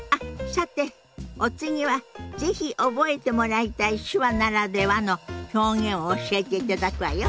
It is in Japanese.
さてお次は是非覚えてもらいたい手話ならではの表現を教えていただくわよ。